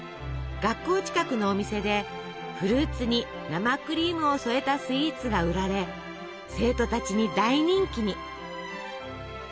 学校近くのお店でフルーツに生クリームを添えたスイーツが売られ生徒たちに大人気に。